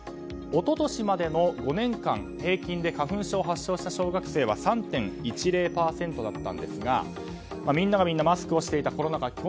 一昨年までの５年間、平均で花粉症を発症した小学生は３．１０％だったんですがみんながみんなマスクをしていたコロナ禍